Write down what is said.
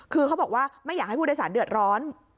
คือเขาบอกว่าไม่อยากให้ผู้โดยสารเดือดร้อน